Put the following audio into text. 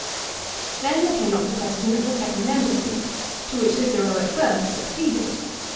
265 Then there came up the question of a second embassy to which Cicero at first acceded.